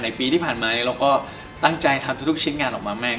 ปีที่ผ่านมาเราก็ตั้งใจทำทุกชิ้นงานออกมามาก